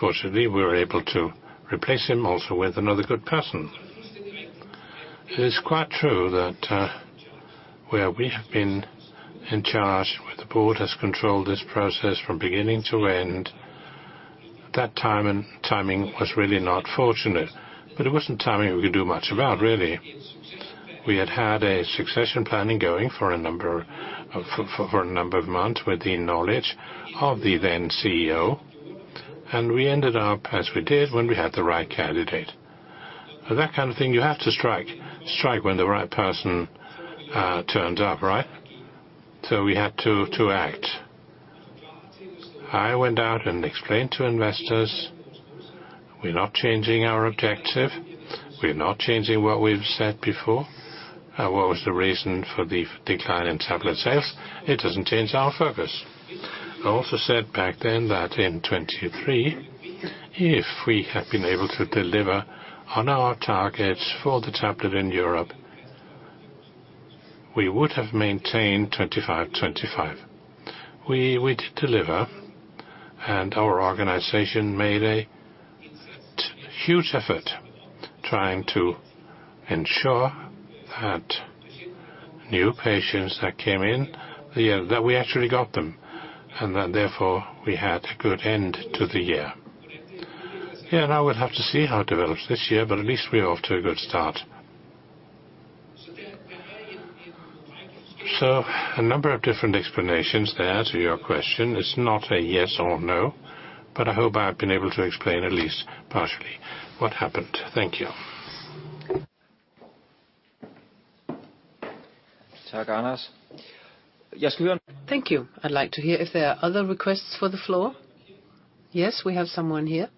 Fortunately, we were able to replace him also with another good person. It is quite true that where we have been in charge, where the board has controlled this process from beginning to end, that time and timing was really not fortunate, but it wasn't timing we could do much about, really. We had a succession planning going for a number of months, with the knowledge of the then CEO, and we ended up as we did when we had the right candidate. That kind of thing, you have to strike when the right person turns up, right? So we had to act. I went out and explained to investors, we're not changing our objective, we're not changing what we've said before, what was the reason for the decline in tablet sales? It doesn't change our focus. I also said back then that in 2023, if we had been able to deliver on our targets for the tablet in Europe, we would have maintained 25, 25. We did deliver, and our organization made a huge effort trying to ensure that new patients that came in the... That we actually got them, and that therefore, we had a good end to the year. Yeah, now we'll have to see how it develops this year, but at least we're off to a good start. So a number of different explanations there to your question. It's not a yes or no, but I hope I've been able to explain at least partially what happened. Thank you. Thank you. I'd like to hear if there are other requests for the floor. Yes, we have someone here.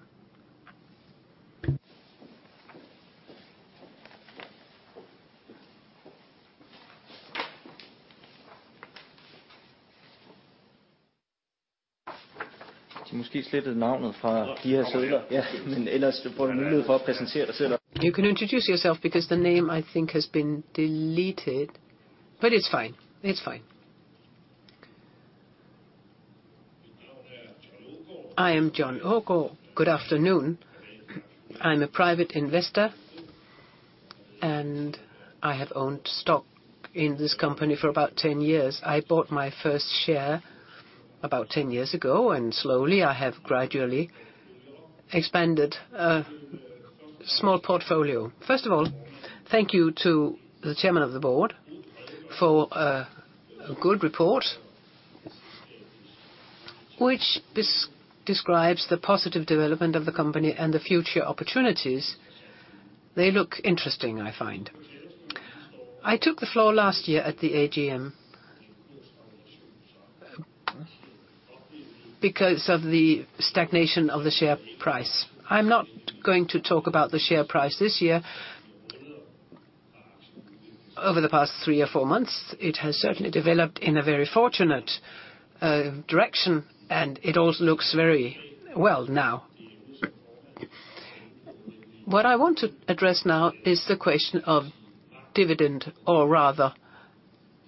You can introduce yourself because the name, I think, has been deleted, but it's fine. It's fine. I am John Aagaard. Good afternoon. I'm a private investor, and I have owned stock in this company for about 10 years. I bought my first share about 10 years ago, and slowly, I have gradually expanded a small portfolio. First of all, thank you to the chairman of the board for a good report, which describes the positive development of the company and the future opportunities. They look interesting, I find. I took the floor last year at the AGM, because of the stagnation of the share price. I'm not going to talk about the share price this year. Over the past 3 or 4 months, it has certainly developed in a very fortunate direction, and it also looks very well now. What I want to address now is the question of dividend, or rather,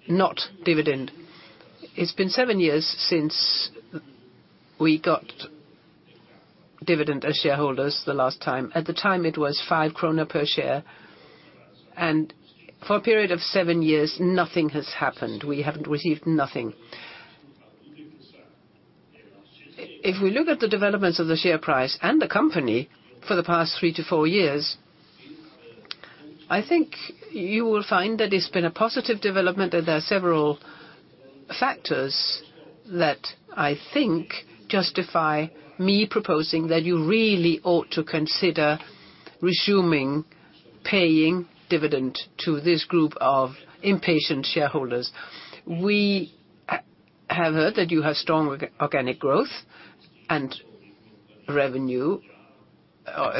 not dividend. It's been seven years since we got dividend as shareholders the last time. At the time, it was 5 kroner per share, and for a period of seven years, nothing has happened. We haven't received nothing. If we look at the developments of the share price and the company for the past three to four years, I think you will find that it's been a positive development, and there are several factors that I think justify me proposing that you really ought to consider resuming paying dividend to this group of impatient shareholders. We have heard that you have strong organic growth and revenue,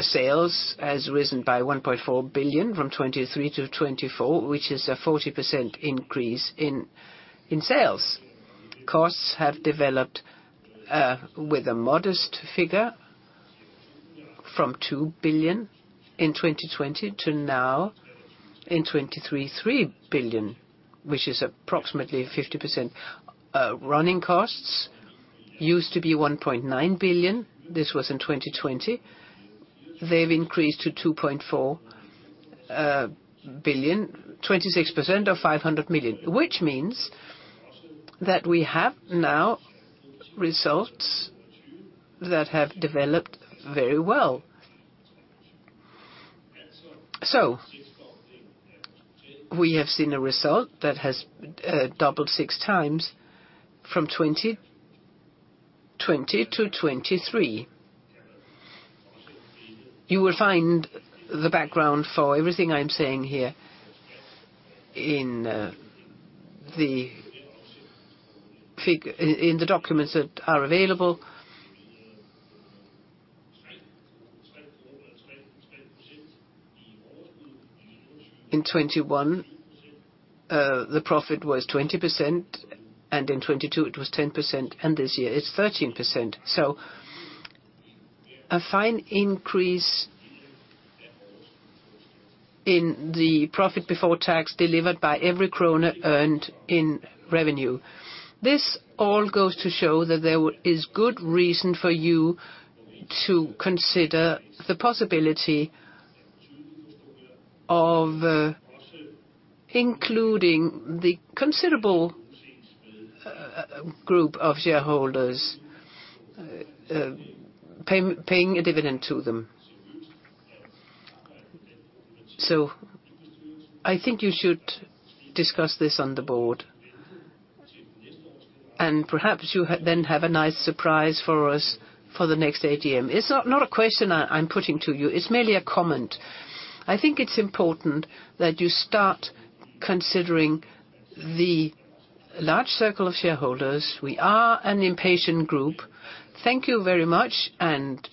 sales has risen by 1.4 billion from 2023 to 2024, which is a 40% increase in sales. Costs have developed with a modest figure from 2 billion in 2020 to now, in 2023, 3 billion, which is approximately 50%. Running costs used to be 1.9 billion, this was in 2020. They've increased to 2.4 billion, 26% or 500 million, which means that we have now results that have developed very well. So we have seen a result that has doubled 6 times from 2020 to 2023. You will find the background for everything I'm saying here in the figures in the documents that are available. In 2021, the profit was 20%, and in 2022 it was 10%, and this year it's 13%. So a fine increase in the profit before tax delivered by every kroner earned in revenue. This all goes to show that there is good reason for you to consider the possibility of including the considerable group of shareholders paying a dividend to them. So I think you should discuss this on the board, and perhaps you then have a nice surprise for us for the next AGM. It's not a question I'm putting to you, it's merely a comment. I think it's important that you start considering the large circle of shareholders. We are an impatient group. Thank you very much, and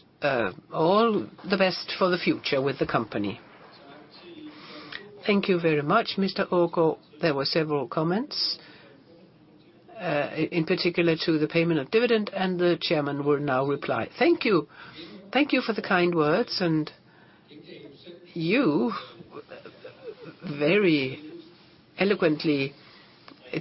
all the best for the future with the company. Thank you very much, Mr. Aagaard. There were several comments in particular to the payment of dividend, and the chairman will now reply. Thank you. Thank you for the kind words, and you very eloquently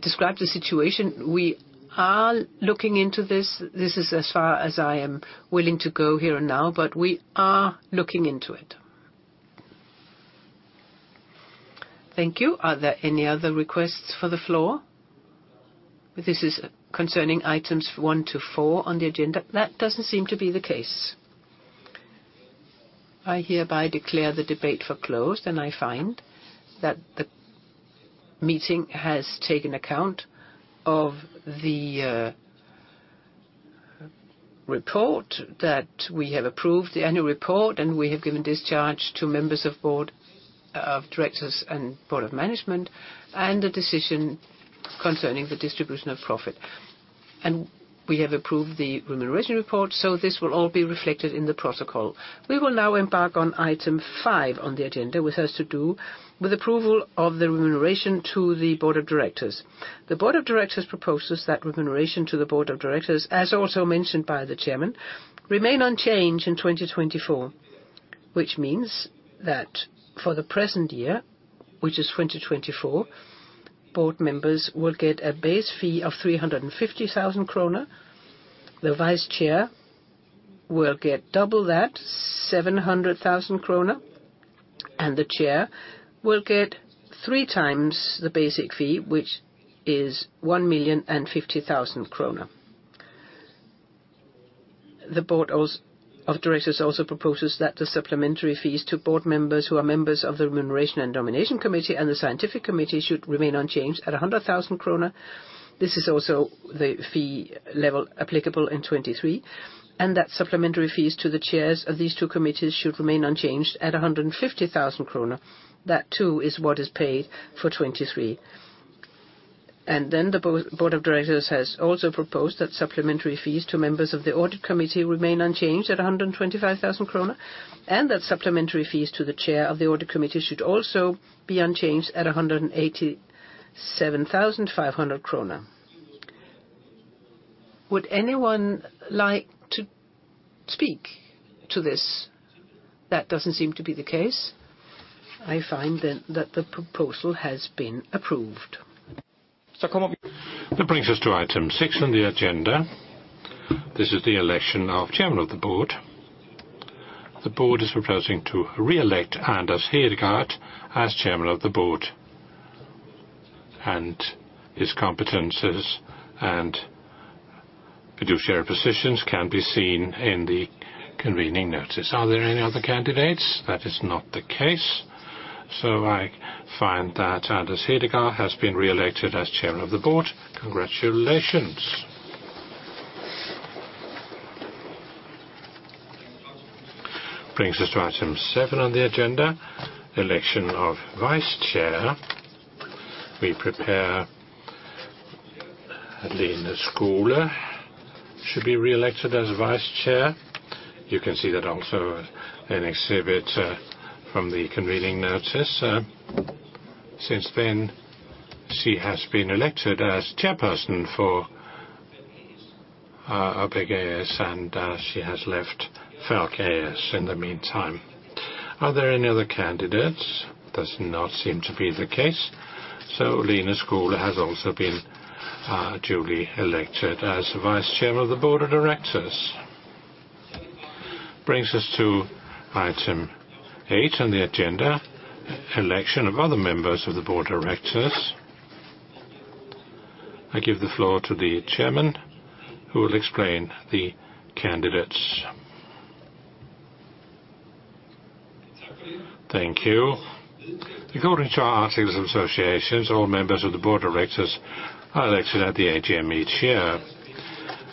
described the situation. We are looking into this. This is as far as I am willing to go here and now, but we are looking into it. Thank you. Are there any other requests for the floor? This is concerning items one to four on the agenda. That doesn't seem to be the case. I hereby declare the debate for closed, and I find that the meeting has taken account of the report, that we have approved the annual report, and we have given discharge to members of Board of Directors and Board of Management, and the decision concerning the distribution of profit. We have approved the remuneration report, so this will all be reflected in the protocol. We will now embark on item five on the agenda, which has to do with approval of the remuneration to the Board of Directors. The Board of Directors proposes that remuneration to the Board of Directors, as also mentioned by the chairman, remain unchanged in 2024. Which means that for the present year, which is 2024, board members will get a base fee of 350 thousand kroner. The Vice Chair will get double that, 700 thousand kroner, and the Chair will get three times the basic fee, which is 1.05 million kroner. The Board of Directors also proposes that the supplementary fees to board members who are members of the Remuneration and Nomination Committee and the Scientific Committee should remain unchanged at 100 thousand krone. This is also the fee level applicable in 2023, and that supplementary fees to the chairs of these two committees should remain unchanged at 150 thousand kroner. That, too, is what is paid for 2023. And then the Board of Directors has also proposed that supplementary fees to members of the Audit Committee remain unchanged at 125,000 kroner, and that supplementary fees to the chair of the Audit Committee should also be unchanged at 187,500 kroner. Would anyone like to speak to this? That doesn't seem to be the case. I find then that the proposal has been approved. That brings us to item six on the agenda. This is the election of chairman of the board. The board is proposing to re-elect Anders Hedegaard as chairman of the board, and his competencies and fiduciary positions can be seen in the convening notice. Are there any other candidates? That is not the case, so I find that Anders Hedegaard has been re-elected as chairman of the board. Congratulations! ...Brings us to item 7 on the agenda, election of vice chair. We prepare, Lene Skole should be re-elected as vice chair. You can see that also in exhibit from the convening notice. Since then, she has been elected as chairperson for ALK, and she has left Falck in the meantime. Are there any other candidates? Does not seem to be the case. So Lene Skole has also been duly elected as vice chair of the Board of Directors. Brings us to item 8 on the agenda, election of other members of the Board of Directors. I give the floor to the chairman, who will explain the candidates. Thank you. According to our Articles of Association, all members of the Board of Directors are elected at the AGM each year.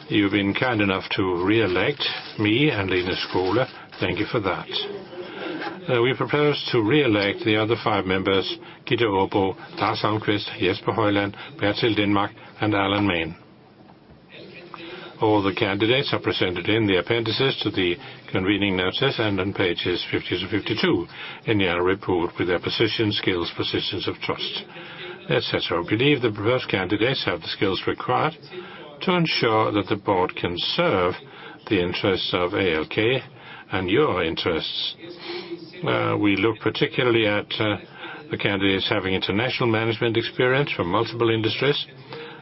You've been kind enough to re-elect me and Lene Skole. Thank you for that. We propose to re-elect the other five members, Gitte Aabo, Lars Holmqvist, Jesper Høiland, Bertil Lindmark, and Alan Main. All the candidates are presented in the appendices to the convening notice and on pages 50 to 52 in the annual report with their positions, skills, positions of trust, et cetera. We believe the proposed candidates have the skills required to ensure that the board can serve the interests of ALK and your interests. We look particularly at the candidates having international management experience from multiple industries,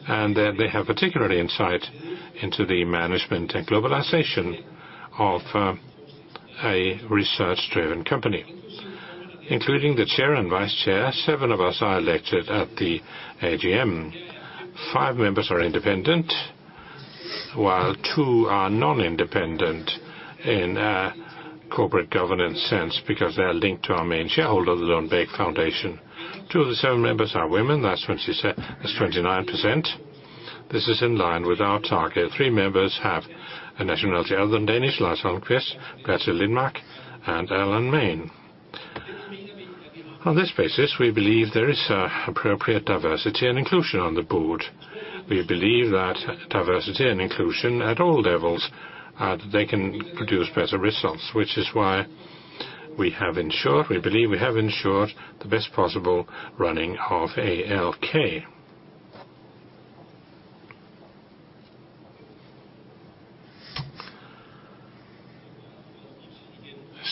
and that they have particular insight into the management and globalization of a research-driven company. Including the chair and vice chair, seven of us are elected at the AGM. Five members are independent, while two are non-independent in a corporate governance sense, because they are linked to our main shareholder, the Lundbeck Foundation. Two of the seven members are women. That's 29%. This is in line with our target. Three members have a nationality other than Danish, Lars Holmqvist, Bertil Lindmark, and Alan Main. On this basis, we believe there is appropriate diversity and inclusion on the board. We believe that diversity and inclusion at all levels, they can produce better results, which is why we have ensured. We believe we have ensured the best possible running of ALK.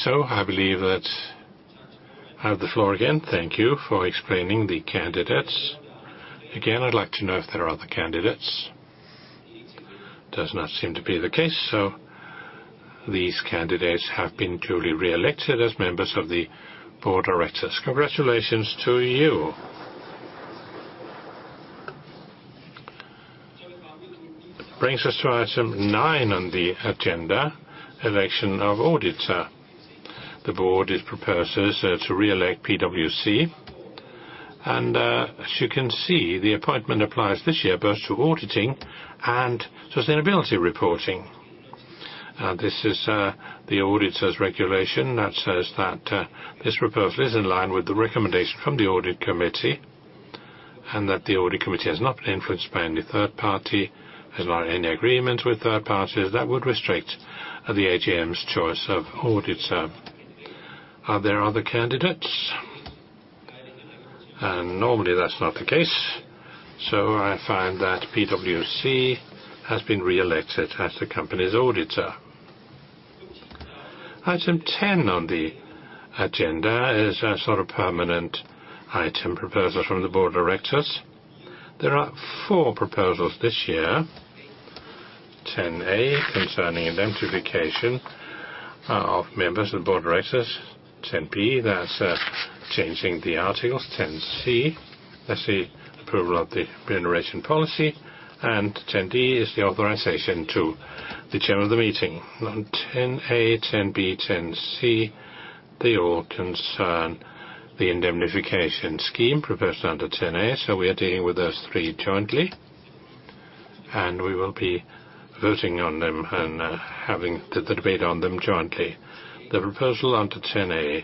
So I believe that I have the floor again. Thank you for explaining the candidates. Again, I'd like to know if there are other candidates. Does not seem to be the case, so these candidates have been duly re-elected as members of the board of directors. Congratulations to you. Brings us to item nine on the agenda, election of auditor. The board proposes to re-elect PwC, and as you can see, the appointment applies this year, both to auditing and sustainability reporting. This is the auditor's regulation that says that this proposal is in line with the recommendation from the Audit Committee, and that the Audit Committee has not been influenced by any third party, has not any agreement with third parties that would restrict the AGM's choice of auditor. Are there other candidates? And normally, that's not the case, so I find that PwC has been re-elected as the company's auditor. Item ten on the agenda is a sort of permanent item proposal from the Board of Directors. There are four proposals this year. 10A, concerning identification of members of the Board of Directors. 10B, that's changing the articles. 10C, that's the approval of the remuneration policy, and 10D is the authorization to the chair of the meeting. On 10A, 10B, 10C, they all concern the indemnification scheme proposed under 10A, so we are dealing with those three jointly, and we will be voting on them and having the debate on them jointly. The proposal under 10A,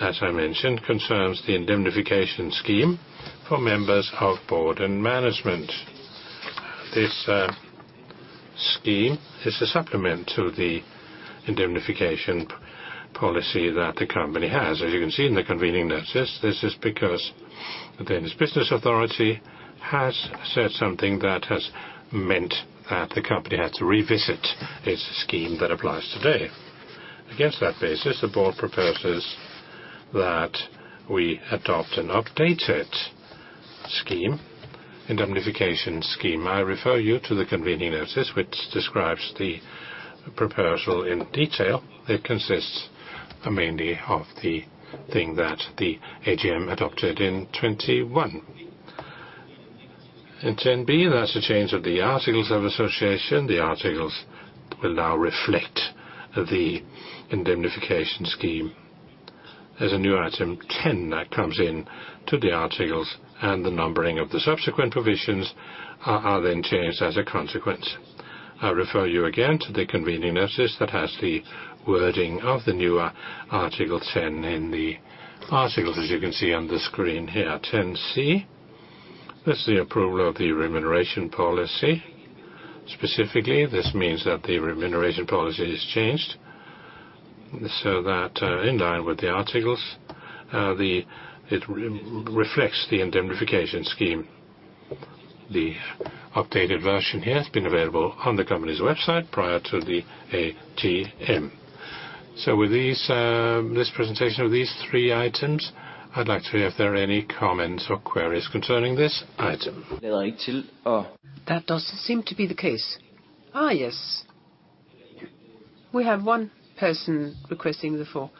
as I mentioned, concerns the indemnification scheme for members of board and management. This scheme is a supplement to the indemnification policy that the company has. As you can see in the convening notice, this is because the Danish Business Authority has said something that has meant that the company had to revisit its scheme that applies today. Against that basis, the board proposes that we adopt an updated scheme, indemnification scheme. I refer you to the convening notice, which describes the proposal in detail. It consists mainly of the thing that the AGM adopted in 2021. In 10B, that's a change of the articles of association. The articles will now reflect the indemnification scheme. There's a new item 10 that comes in to the articles, and the numbering of the subsequent provisions are then changed as a consequence. I refer you again to the convening notice that has the wording of the newer article 10. In the article, as you can see on the screen here, 10C. This is the approval of the remuneration policy. Specifically, this means that the remuneration policy is changed, so that in line with the articles, it reflects the indemnification scheme. The updated version here has been available on the company's website prior to the AGM. With these, this presentation of these three items, I'd like to hear if there are any comments or queries concerning this item. That doesn't seem to be the case. Yes. We have one person requesting the floor,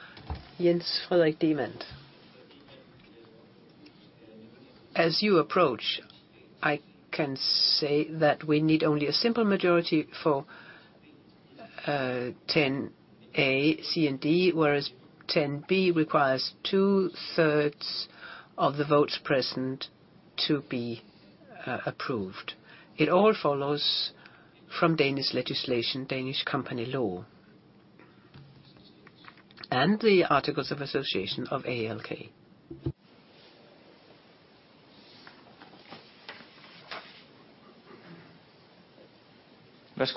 Jens Frederik Demant. As you approach, I can say that we need only a simple majority for ten A, C, and D, whereas ten B requires two-thirds of the votes present to be approved. It all follows from Danish legislation, Danish company law, and the articles of association of ALK. Yeah,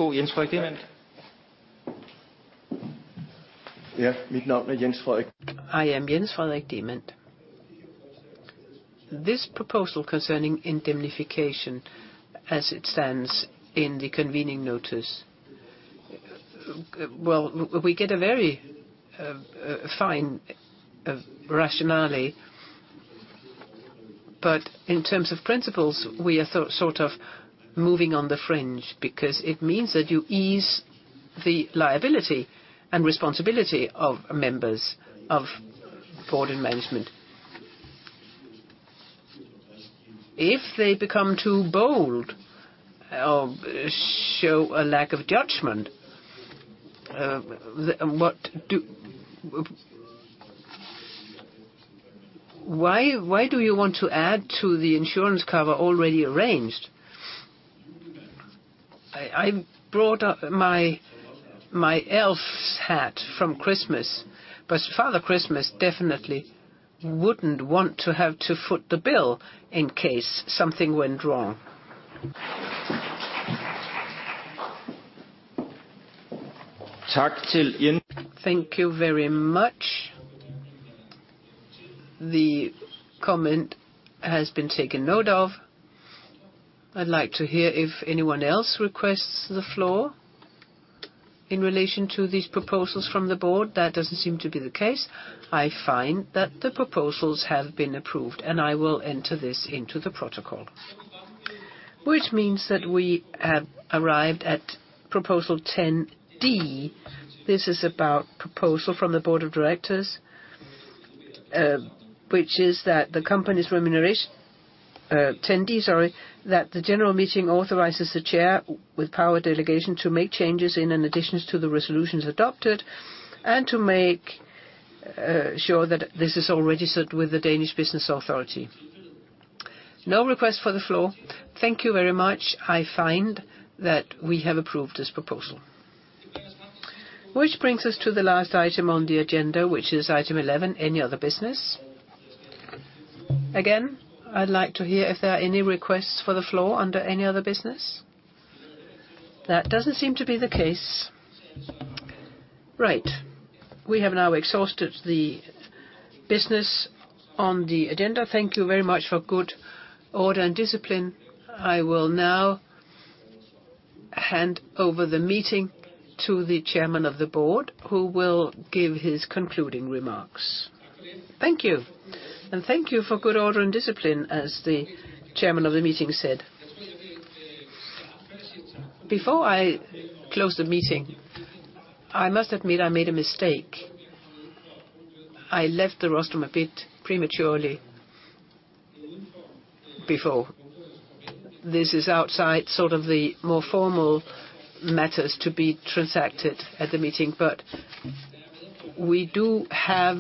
Jens Frederik- I am Jens Frederik Demant. This proposal concerning indemnification as it stands in the convening notice... Well, we get a very fine rationale, but in terms of principles, we are sort of moving on the fringe, because it means that you ease the liability and responsibility of members of board and management. If they become too bold or show a lack of judgment, what do... Why do you want to add to the insurance cover already arranged? I brought up my elf hat from Christmas, but Father Christmas definitely wouldn't want to have to foot the bill in case something went wrong. Thank you very much. The comment has been taken note of. I'd like to hear if anyone else requests the floor in relation to these proposals from the board. That doesn't seem to be the case. I find that the proposals have been approved, and I will enter this into the protocol. Which means that we have arrived at proposal 10 D. This is about the proposal from the Board of Directors, which is that the general meeting authorizes the chair with power delegation to make changes in and additions to the resolutions adopted, and to make sure that this is all registered with the Danish Business Authority. No request for the floor. Thank you very much. I find that we have approved this proposal. Which brings us to the last item on the agenda, which is item 11, any other business. Again, I'd like to hear if there are any requests for the floor under any other business. That doesn't seem to be the case. Right. We have now exhausted the business on the agenda. Thank you very much for good order and discipline. I will now hand over the meeting to the chairman of the board, who will give his concluding remarks. Thank you, and thank you for good order and discipline, as the chairman of the meeting said. Before I close the meeting, I must admit I made a mistake. I left the rostrum a bit prematurely before. This is outside sort of the more formal matters to be transacted at the meeting, but we do have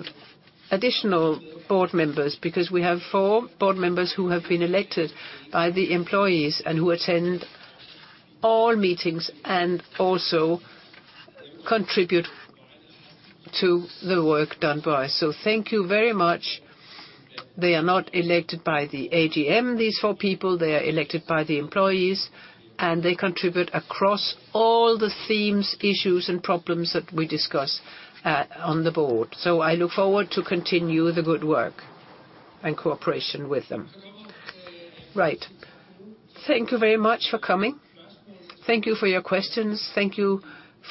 additional board members, because we have four board members who have been elected by the employees, and who attend all meetings, and also contribute to the work done by us. So thank you very much. They are not elected by the AGM, these four people. They are elected by the employees, and they contribute across all the themes, issues, and problems that we discuss on the board. So I look forward to continue the good work and cooperation with them. Right. Thank you very much for coming. Thank you for your questions. Thank you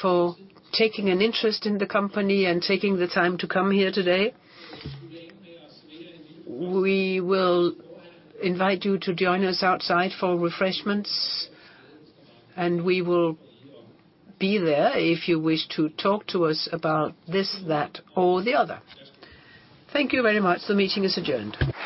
for taking an interest in the company and taking the time to come here today. We will invite you to join us outside for refreshments, and we will be there if you wish to talk to us about this, that, or the other. Thank you very much. The meeting is adjourned.